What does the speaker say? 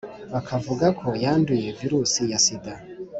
bakavuga ko yanduye virusi ya sida